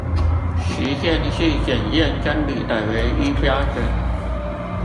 實踐是檢驗真理的唯一標準